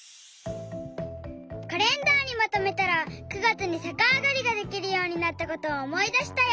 カレンダーにまとめたら９月にさかあがりができるようになったことをおもいだしたよ。